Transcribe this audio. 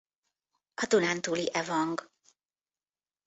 A dunántúli evang.